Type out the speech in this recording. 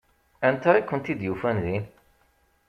Anta i kent-id-yufan din?